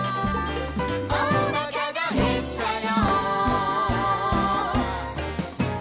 「おなかがへったよ」